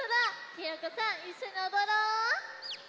ひよこさんいっしょにおどろう。